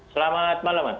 selamat malam pak